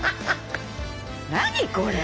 何これ。